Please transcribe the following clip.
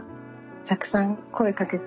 たくさん声かけて。